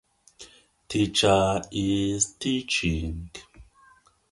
This would turn out to be the final game of his career.